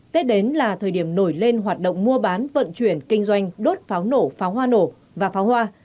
tết đến là thời điểm nổi lên hoạt động mua bán vận chuyển kinh doanh đốt pháo nổ pháo hoa nổ và pháo hoa